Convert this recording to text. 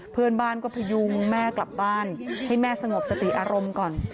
เพื่อนบ้านก็พยุงแม่กลับบ้านให้แม่สงบสติอารมณ์ก่อน